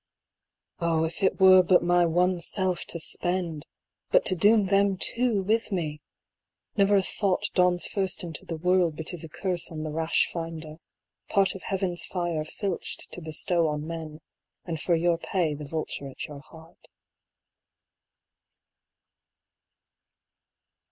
Oh, if it were but my one self to spend ! but to doom them too with me ! Never a thought dawns first into the world but is a curse on the rash finder ; part of heaven's fire filched to bestow on men, and for your pay the vulture at your heart.